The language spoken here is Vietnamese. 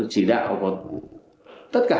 chỉ đạo của tất cả